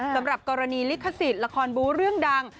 สำหรับกรณีลิขสิทธิ์ละครบูเรื่องดัง